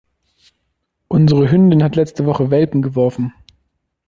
Unsere Hündin hat letzte Woche Welpen geworfen.